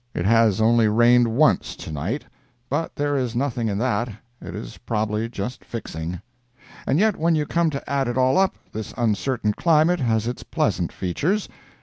It has only rained once to night; but there is nothing in that, it is probably just fixing. And yet when you come to add it all up, this uncertain climate has its pleasant features.